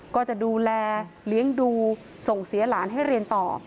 ก็จะดูแลเลี้ยงดูส่งเสียหลานให้เรียนต่อ